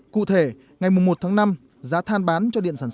cụ thể ngày một tháng năm giá than bán cho điện tăng